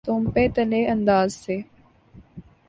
تو نپے تلے انداز سے۔